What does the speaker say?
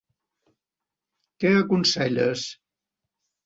Què aconselles?